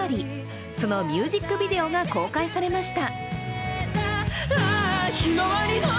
そのミュージックビデオが公開されました。